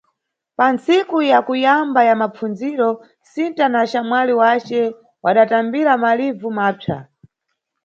Pantsiku ya kuyamba ya mapfundziro, Sinta na axamwali wace wadatambira malivu mapsa.